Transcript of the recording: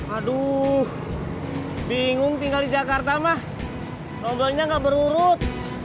aduh bingung tinggal di jakarta mah nobelnya gak berurut